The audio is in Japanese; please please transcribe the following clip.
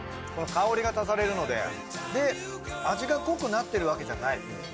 この香りが足されるので味が濃くなってるわけじゃない。